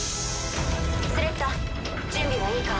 スレッタ準備はいいか？